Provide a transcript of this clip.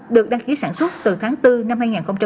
được đăng ký sản xuất từ tháng bốn năm hai nghìn một mươi chín